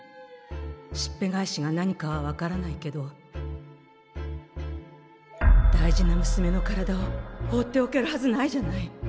しっぺ返しが何かは分からないけど大事なむすめの体を放っておけるはずないじゃない。